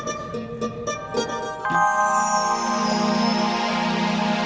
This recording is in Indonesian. sampai jumpa kang